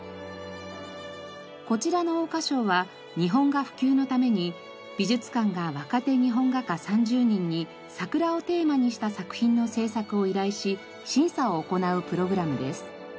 こちらの桜花賞は日本画普及のために美術館が若手日本画家３０人に桜をテーマにした作品の制作を依頼し審査を行うプログラムです。